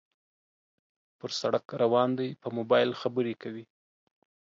پر سړک روان دى په موبایل خبرې کوي